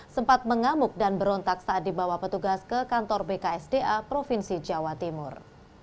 sempat mengamuk dan berontak saat dibawa petugas ke kantor bksda provinsi jawa timur